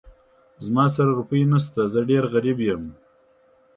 زما سره روپۍ نه شته، زه ډېر غريب يم.